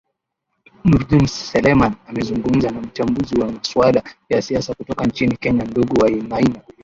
nurdin seleman amezungumza na mchambuzi wa maswala ya siasa kutoka nchini kenya ndugu wainaina